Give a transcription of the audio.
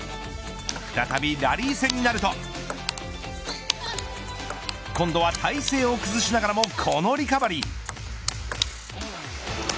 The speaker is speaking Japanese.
再びラリー戦になると今度は体勢を崩しながらもこのリカバリー。